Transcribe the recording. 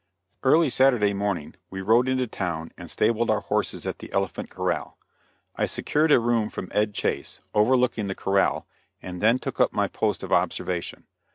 Early Saturday morning, we rode into town and stabled our horses at the Elephant Corral. I secured a room from Ed. Chase, overlooking the corral, and then took up my post of observation.